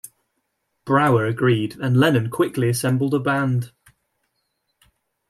Brower agreed, and Lennon quickly assembled a band.